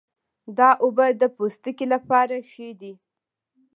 دا اوبه د پوستکي لپاره ښې دي.